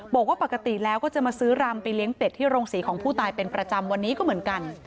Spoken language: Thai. บอกว่าปกติแล้วก็จะมาซื้อรำไปเลี้ยงเป็ดที่โรงศรีของผู้ตายเป็นประจำวันนี้ก็เหมือนกัน